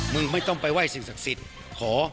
มึงไม่ต้องไปไหว้สิทธิ์ศักดิจขอ